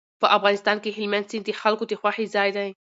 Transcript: په افغانستان کې هلمند سیند د خلکو د خوښې ځای دی.